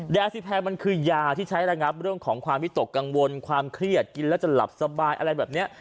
ยาซีแพรมันคือยาที่ใช้ระงับเรื่องของความวิตกกังวลความเครียดกินแล้วจะหลับสบายอะไรแบบนี้